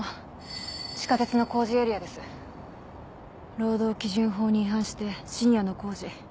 労働基準法に違反して深夜の工事。